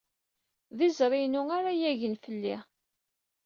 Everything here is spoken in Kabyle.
D izri-inu ara d-yaggen fell-i.